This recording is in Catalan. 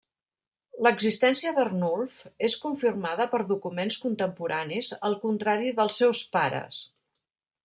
L'existència d'Arnulf és confirmada per documents contemporanis, al contrari dels seus pares.